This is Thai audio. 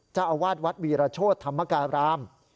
เจ้าอาวาสวัดวีรโชธธรรมการาม